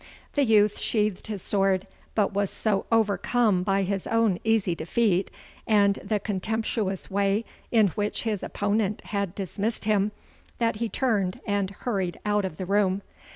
The youth sheathed his sword, but was so overcome by his own easy defeat and the contemptuous way in which his opponent had dismissed him, that he turned and hurried out of the room.